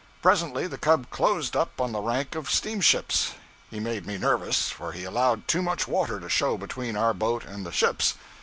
Presently the cub closed up on the rank of steamships. He made me nervous, for he allowed too much water to show between our boat and the ships.